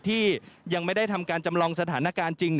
ที่ยังไม่ได้ทำการจำลองสถานการณ์จริง